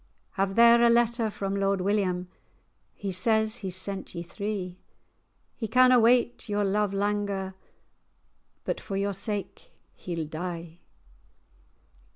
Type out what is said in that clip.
"Have there a letter from Lord William; He says he's sent ye three; He canna wait your love langer, But for your sake he'll die."